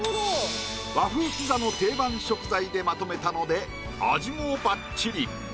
和風ピザの定番食材でまとめたので味もばっちり。